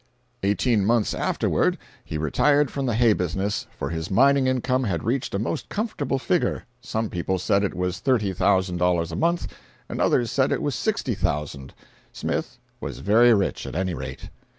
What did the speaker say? Eighteen months afterward he retired from the hay business, for his mining income had reached a most comfortable figure. Some people said it was $30,000 a month, and others said it was $60,000. Smith was very rich at any rate.